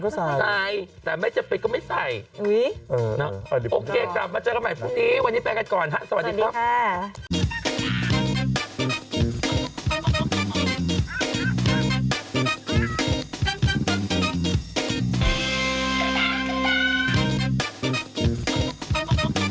สวัสดีครับ